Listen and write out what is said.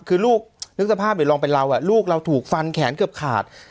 คือลูกนึกสภาพหรือลองเป็นเราลูกเราถูกฟันแขนเกือบขาด